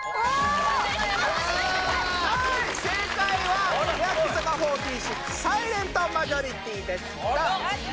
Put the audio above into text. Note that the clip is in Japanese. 正解は欅坂４６「サイレントマジョリティー」でした